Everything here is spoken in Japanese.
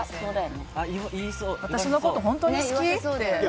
私のこと、本当に好き？って。